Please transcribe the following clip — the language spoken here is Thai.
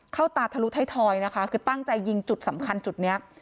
ตาทะลุท้ายทอยนะคะคือตั้งใจยิงจุดสำคัญจุดเนี้ย